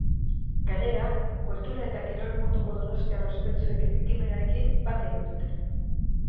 Gainera, kultura eta kirol munduko donostiar ospetsuek ekimenarekin bat egin dute.